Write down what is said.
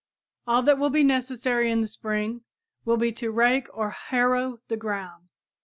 All that will be necessary in the spring will be to rake or harrow the ground.